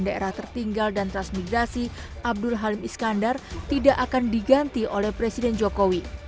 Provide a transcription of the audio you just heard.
daerah tertinggal dan transmigrasi abdul halim iskandar tidak akan diganti oleh presiden jokowi